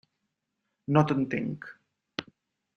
No t'entenc.